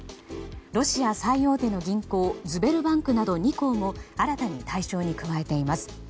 ロシア最大手の銀行ズベルバンクなど２行も新たに対象に加えています。